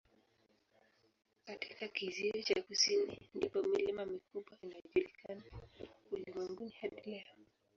Katika kizio cha kusini ndipo milima mikubwa inayojulikana ulimwenguni hadi leo.